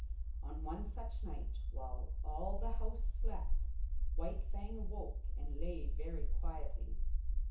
On one such night, while all the house slept, White Fang awoke and lay very quietly.